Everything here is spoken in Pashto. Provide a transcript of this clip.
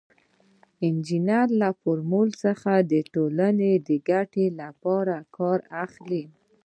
انجینر له فورمول څخه د ټولنې د ګټې لپاره کار اخلي.